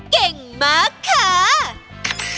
เก่งมากค่ะ